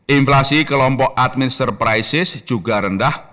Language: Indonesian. inflasi kelompok administer prices juga rendah